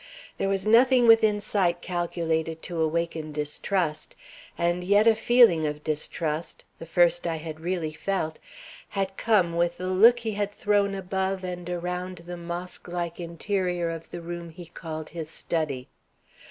There was nothing within sight calculated to awaken distrust, and yet a feeling of distrust (the first I had really felt) had come with the look he had thrown above and around the mosque like interior of the room he called his study.